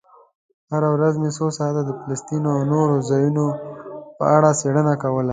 هره ورځ مې څو ساعته د فلسطین او نورو ځایونو په اړه څېړنه کوله.